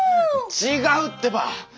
違うってば！